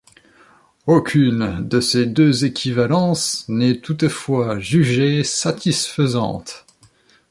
Aucune de ces deux équivalences n'est toutefois jugée satisfaisante.